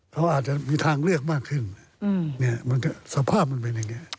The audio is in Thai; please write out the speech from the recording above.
เขาอาจจะมีทางเลือกมากขึ้นสภาพมันเป็นอย่างนี้